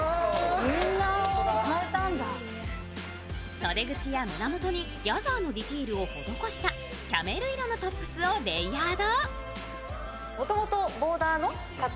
袖口や胸元にギャザーのディティールを施したキャメル色のトップスをレイヤード。